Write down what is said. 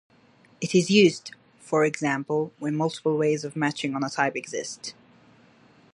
It is used, for example, when multiple ways of matching on a type exist.